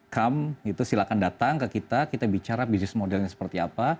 come silakan datang ke kita kita bicara bisnis modelnya seperti apa